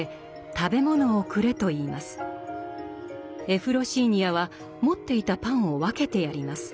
エフロシーニヤは持っていたパンを分けてやります。